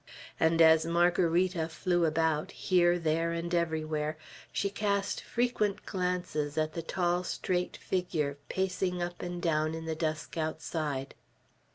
And as Margarita flew about, here, there, and everywhere, she cast frequent glances at the tall straight figure pacing up and down in the dusk outside.